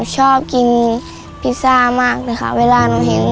ฉอบกินพิซซ่ามากเลยค่ะ